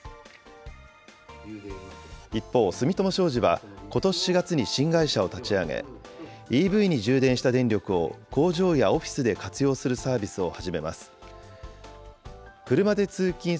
一方、住友商事はことし４月に新会社を立ち上げ、ＥＶに充電した電力を工場やオフィスで活用するサービスを始めます。